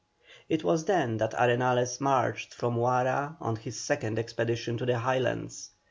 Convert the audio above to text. It was then that Arenales marched from Huara on his second expedition to the Highlands.